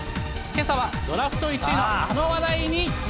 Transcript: けさは、ドラフト１位のあの話題に。